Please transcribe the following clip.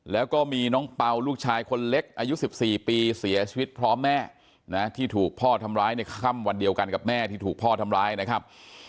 แล้วก็มีน้องเป่าลูกชายคนเล็กอายุ๑๔ปีเสียชีวิตพร้อมแม่นะที่ถูกพ่อทำร้ายในค่ำวันเดียวกันกับแม่ที่ถูกพ่อทำร้ายนะครับ